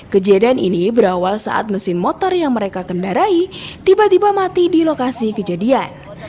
kejadian ini berawal saat mesin motor yang mereka kendarai tiba tiba mati di lokasi kejadian